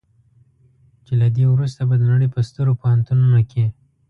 چې له دې وروسته به د نړۍ په سترو پوهنتونونو کې.